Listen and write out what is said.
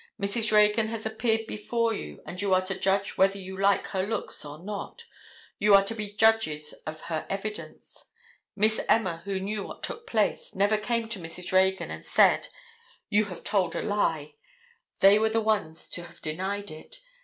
Mrs. Reagan has appeared before you and you are to judge whether you like her looks or not. You are to be judges of her evidence. Miss Emma, who knew what took place, never came to Mrs. Reagan, and said, "You have told a lie!" They were the ones to have denied it.